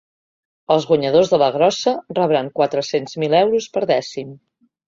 Els guanyadors de la grossa rebran quatre-cents mil euros per dècim.